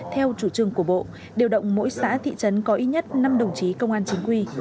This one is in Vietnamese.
theo chủ trương của bộ điều động mỗi xã thị trấn có ít nhất năm đồng chí công an chính quy